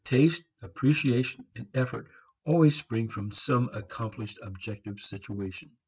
Taste, appreciation and effort always spring from some accomplished objective situation.